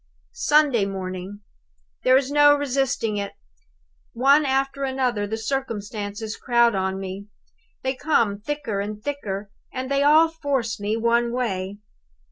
"Sunday morning. There is no resisting it! One after another the circumstances crowd on me. They come thicker and thicker, and they all force me one way.